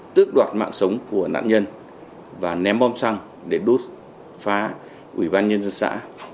tước đoạt mạng sống của nạn nhân và ném bom xăng để đốt phá ủy ban nhân dân xã